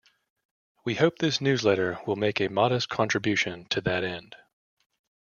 We hope this "Newsletter" will make a modest contribution to that end.